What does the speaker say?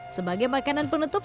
sebagai makanan penutup